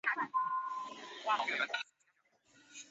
而该处也挂上提示没有车票的乘客前往主站房购票的横额。